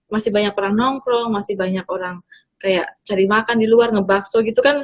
masih banyak orang nongkrong masih banyak orang kayak cari makan di luar ngebakso gitu kan